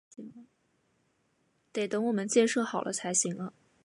得等我们建设好了才行啊